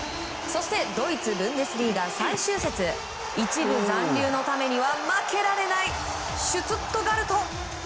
そしてドイツ・ブンデスリーガ最終節１部残留のためには負けられないシュツットガルト。